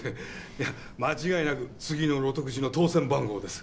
いや間違いなく次のロトくじの当選番号です。